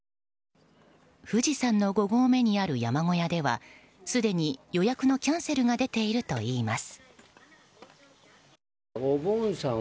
富士山の５合目にある山小屋ではすでに予約のキャンセルが出ているといいます。